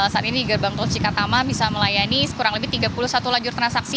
saat ini gerbang tol cikatama bisa melayani kurang lebih tiga puluh satu lajur transaksi